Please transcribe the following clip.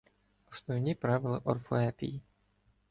Основні правила орфоепії